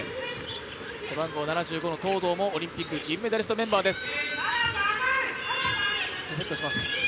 背番号７５の東藤もオリンピック銀メダリストメンバーです。